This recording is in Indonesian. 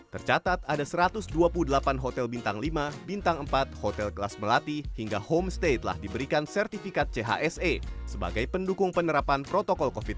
tercatat ada satu ratus dua puluh delapan hotel bintang lima bintang empat hotel kelas melati hingga homestay telah diberikan sertifikat chse sebagai pendukung penerapan protokol covid sembilan belas